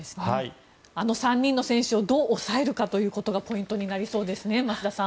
あの３人の選手をどう抑えるかがポイントになりそうですね増田さん。